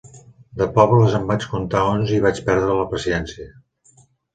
De pobles en vaig comptar onze i vaig perdre la paciència.